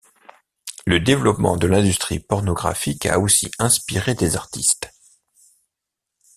Le développement de l'industrie pornographique a aussi inspiré des artistes.